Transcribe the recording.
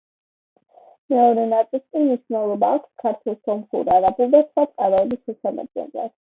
მეორე ნაწილს კი მნიშვნელობა აქვს ქართულ, სომხურ, არაბულ და სხვა წყაროების შესამოწმებლად.